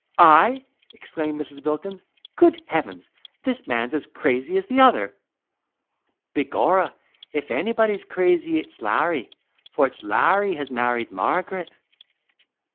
"I?" exclaimed Mrs. Bilkins. "Good heavens! this man's as crazy as the other!" "Begorra, if anybody's crazy, it's Larry, for it's Larry has married Margaret."